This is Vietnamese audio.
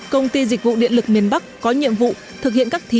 công ty dịch vụ điện lực miền bắc có nhiệm vụ thực hiện các thiết